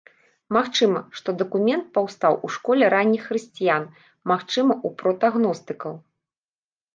Магчыма, што дакумент паўстаў у школе ранніх хрысціян, магчыма ў прота-гностыкаў.